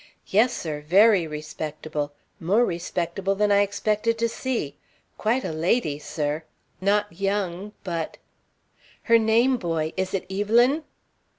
"Yes, sir; very respectable, more respectable than I expected to see. Quite a lady, sir. Not young, but " "Her name, boy. Is it Evelyn?"